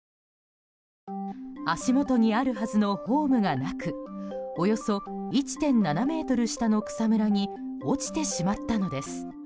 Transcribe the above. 足元にあるはずのホームがなくおよそ１．７ｍ下の草むらに落ちてしまったのです。